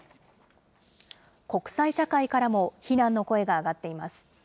国際社会からも非難の声が上がっています。